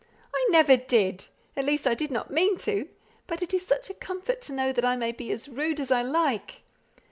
"I never did. At least I didn't mean to. But it is such a comfort to know that I may be as rude as I like."